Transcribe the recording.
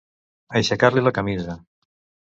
Aixecar-li la camisa.